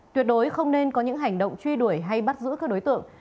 tuyệt đối không nên có những hành động truy đuổi hay bắt giữ các đối tượng